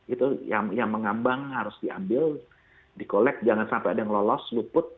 itu yang mengambang harus diambil dikolek jangan sampai ada yang lolos luput